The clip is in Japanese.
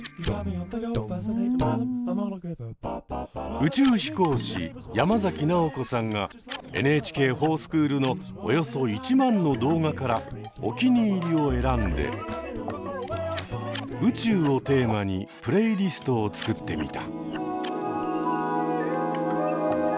宇宙飛行士山崎直子さんが「ＮＨＫｆｏｒＳｃｈｏｏｌ」のおよそ１万の動画からおきにいりを選んで「宇宙」をテーマにプレイリストを作ってみた。